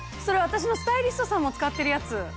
それ私のスタイリストさんも使ってるやつ。